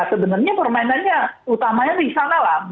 sebenarnya permainannya utamanya di sana lah